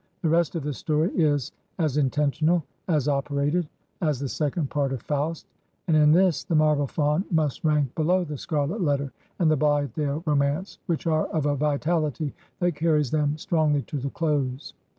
The rest of the story is as intentional, as operated, as the second part of " Faust" ; and in this " The Marble Faun " must rank below " The Scarlet Letter " and " The Blithe dale Romance,"' which are of a vitality that carries them strongly to the close.